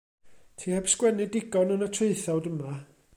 Ti heb sgwennu digon yn y traethawd yma.